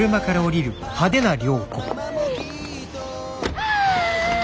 はあ